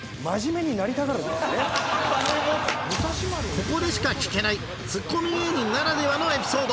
ここでしか聞けないツッコミ芸人ならではのエピソード